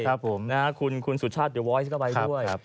ครับผมนะฮะคุณคุณสุชาติเดี๋ยวไวส์ก็ไปด้วยครับครับ